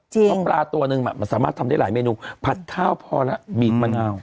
เพราะปลาตัวนึงมันสามารถทำได้หลายเมนูผัดข้าวพอแล้วบีบมะนาว